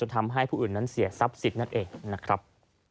ทำให้ผู้อื่นนั้นเสียทรัพย์สินนั่นเองนะครับ